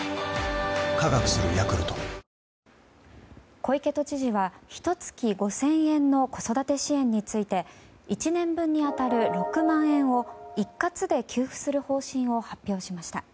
小池都知事はひと月５０００円の子育て支援について１年分に当たる６万円を一括で給付する方針を発表しました。